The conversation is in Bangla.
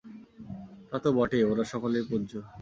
তা তো বটেই, ওঁরা সকলেই পূজ্য।